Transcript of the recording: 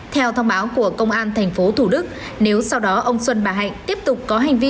theo thông báo của công an tp thủ đức nếu sau đó ông xuân bà hạnh tiếp tục có hành vi